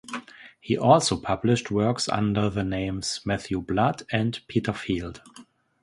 He also published works under the names "Matthew Blood" and "Peter Field.